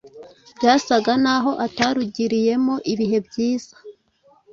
byasaga n’aho atarugiriyemo ibihe byiza